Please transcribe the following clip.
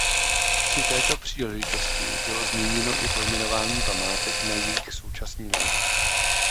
Při této příležitosti bylo změněno i pojmenování památek na jejich současný název.